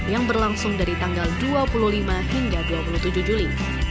yang berlangsung dari tanggal dua puluh lima hingga dua puluh tujuh juli